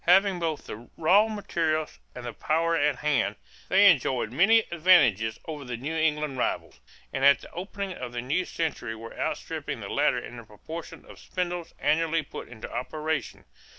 Having both the raw materials and the power at hand, they enjoyed many advantages over the New England rivals, and at the opening of the new century were outstripping the latter in the proportion of spindles annually put into operation.